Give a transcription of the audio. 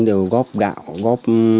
đều góp gạo góp thực phẩm